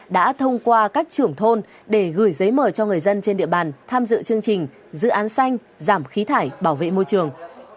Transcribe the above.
đã thông qua các trưởng thôn để gửi giấy mời cho người dân trên địa bàn tham dự chương trình dự án xanh giảm khí thải bảo vệ môi trường